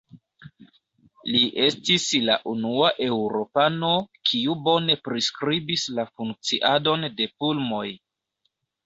Li estis la unua eŭropano, kiu bone priskribis la funkciadon de pulmoj.